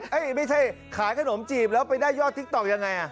ไม่ใช่ขายขนมจีบแล้วไปได้ยอดติ๊กต๊อกยังไง